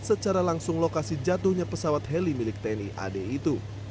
secara langsung lokasi jatuhnya pesawat heli milik tni ad itu